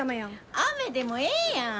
雨でもええやん！